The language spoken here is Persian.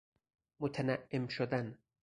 متنعم شدن